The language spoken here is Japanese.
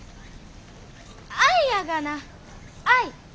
愛やがな愛！